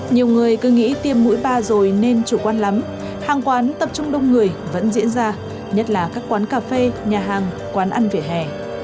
nhiều người cứ nghĩ tiêm mũi ba rồi nên chủ quan lắm hàng quán tập trung đông người vẫn diễn ra nhất là các quán cà phê nhà hàng quán ăn vỉa hè